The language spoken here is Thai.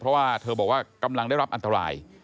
เพราะว่าเธอบอกว่ากำลังได้รับอันตราย